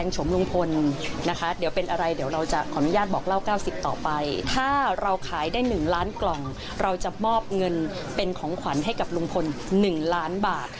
คำปรึกษาถ้าเราขายได้หนึ่งล้านกล่องจะมอบเงินเป็นของขวัญให้กับลุงพลหนึ่งล้านบาท